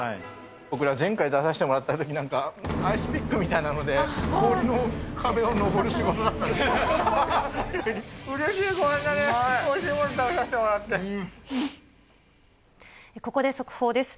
僕ら前回、出させてもらったときなんか、なんか、アイスピックみたいなので、氷の壁を登る仕事だったんです。